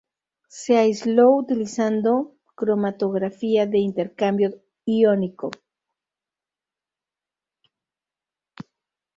Se aisló utilizando cromatografía de intercambio iónico.